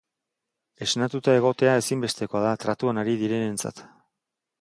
Esnatuta egotea ezinbestekoa da tratuan ari direnentzat.